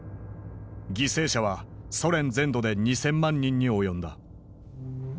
犠牲者はソ連全土で２，０００万人に及んだ。